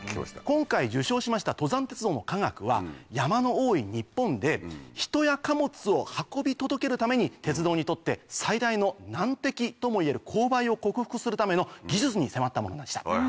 今回受賞しました登山鉄道の科学は山の多い日本で人や貨物を運び届けるために鉄道にとって最大の難敵ともいえる勾配を克服するための技術に迫ったものでした。